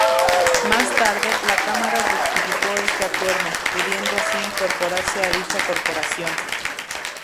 Más tarde, la Cámara rectificó este acuerdo, pudiendo así incorporarse a dicha corporación.